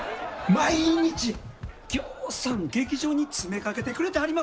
毎日ぎょうさん劇場に詰めかけてくれてはります。